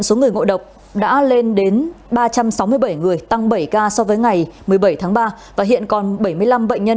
số người ngộ độc đã lên đến ba trăm sáu mươi bảy người tăng bảy ca so với ngày một mươi bảy tháng ba và hiện còn bảy mươi năm bệnh nhân